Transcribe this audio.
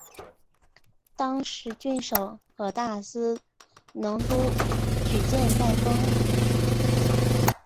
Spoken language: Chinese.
当时郡守和大司农都举荐戴封。